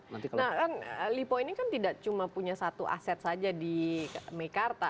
nah kan lipo ini kan tidak cuma punya satu aset saja di mekarta